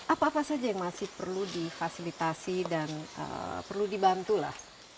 apa apa saja yang masih perlu difasilitasi dan perlu dibantu lah